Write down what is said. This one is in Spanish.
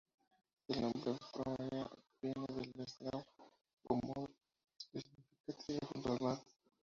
El nombre "Pomerania" viene del eslavo "po more", que significa "Tierra junto al mar".